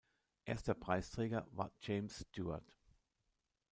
Erster Preisträger war James Stewart.